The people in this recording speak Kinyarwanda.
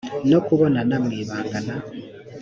no kubonana mu ibanga na